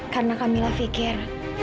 karena kak mila pikir